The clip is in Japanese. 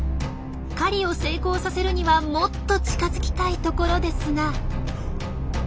狩りを成功させるにはもっと近づきたいところですが。